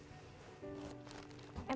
iya bertiga kadang berdua